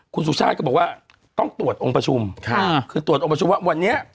คุณสุชาติก็บอกว่าต้องตรวจองค์ประชุมค่ะคือตรวจองค์ประชุมว่าวันนี้